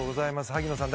萩野さん